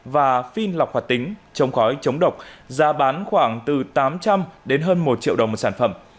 và phin lọc hoạt tính chống khói chống độc giá bán khoảng từ tám trăm linh đến hơn một triệu đồng một sản phẩm